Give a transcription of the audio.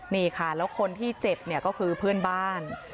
นี่ค่ะแล้วคนที่เจ็บเนี่ยก็คือเพื่อนบ้าน